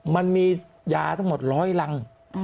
มันมียาทั้งหมด๑๐๐รัง